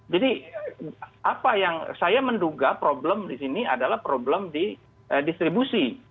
jadi apa yang saya menduga problem di sini adalah problem di distribusi